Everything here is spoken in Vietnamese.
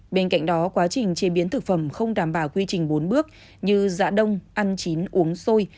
bên cạnh đó quá trình chế biến thực phẩm không đảm bảo quy trình bốn bước như dạ đông ăn chín uống xôi